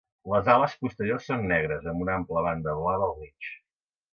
Les ales posteriors són negres, amb una ampla banda blava al mig.